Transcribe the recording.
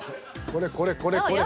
これこれこれこれ。